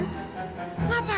ya ampun taufan